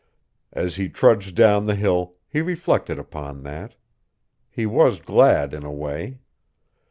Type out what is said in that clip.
As he trudged down the hill, he reflected upon that. He was glad in a way.